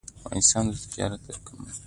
افغانستان د تجارت د کمښت